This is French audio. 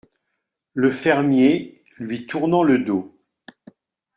Le fermier , lui tournant le dos.